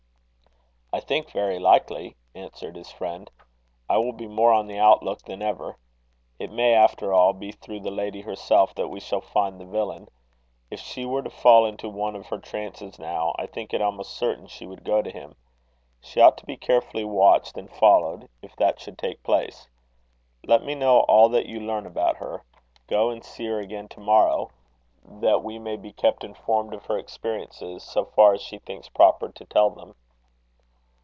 "I think very likely," answered his friend. "I will be more on the outlook than ever. It may, after all, be through the lady herself that we shall find the villain. If she were to fall into one of her trances, now, I think it almost certain she would go to him. She ought to be carefully watched and followed, if that should take place. Let me know all that you learn about her. Go and see her again to morrow, that we may be kept informed of her experiences, so far as she thinks proper to tell them."